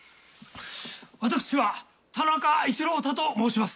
私は田中一朗太と申します。